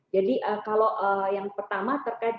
jadi kalau yang pertama terkait bri